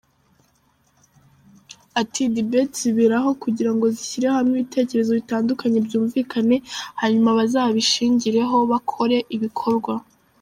Ati “ Debate ziberaho kugira ngo zishyire hamwe ibitekerezo bitandukanye byumvikane, hanyuma bazishingireho bakore ibikorwa.